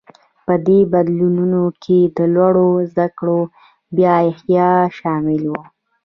په دې بدلونونو کې د لوړو زده کړو بیا احیا شامل و.